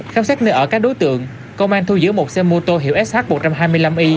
khám xét nơi ở các đối tượng công an thu giữ một xe mô tô hiệu sh một trăm hai mươi năm y